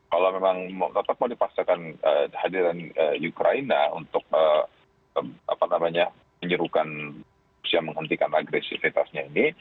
kalau memang tetap mau dipaksakan hadiran ukraina untuk menyerukan rusia menghentikan agresifitasnya ini